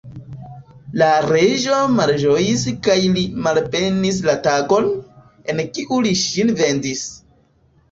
La reĝo malĝojis kaj li malbenis la tagon, en kiu li ŝin vendis.